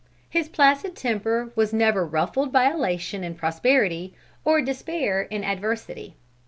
His placid temper was never ruffled by elation in prosperity or despair in adversity.